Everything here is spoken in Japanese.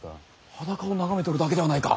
裸を眺めておるだけではないか！